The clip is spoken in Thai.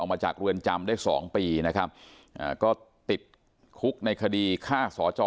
ออกมาจากรวรจำได้๒ปีนะครับก็ติดคุกในคดีค่าศอจอ